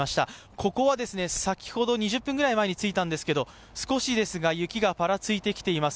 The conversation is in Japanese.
ここは先ほど２０分ぐらい前に着いたんですけど、少しですが、雪がぱらついてきています。